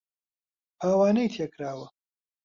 پاوانەی تێ کراوە